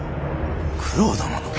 九郎殿の？